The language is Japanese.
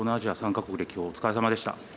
３か国歴訪、お疲れさまでした。